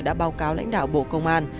đã báo cáo lãnh đạo bộ công an